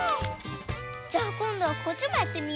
じゃあこんどはこっちもやってみよう。